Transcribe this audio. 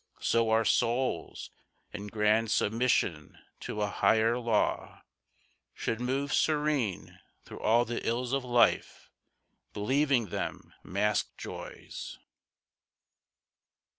So our souls In grand submission to a higher law Should move serene through all the ills of life Believing them masked joys.